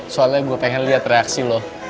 soalnya gue pengen liat reaksi lo